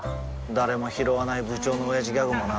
誰もひろわない部長のオヤジギャグもな